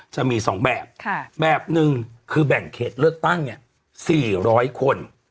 จะมี๒แบบแบบหนึ่งคือแบ่งเขตเลือกตั้ง๔๐๐คน